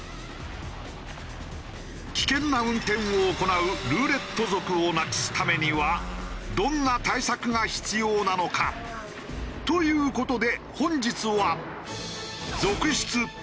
危険な運転を行うルーレット族をなくすためにはどんな対策が必要なのか？という事で本日は。